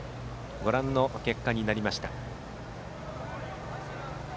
ご覧の結果になりました。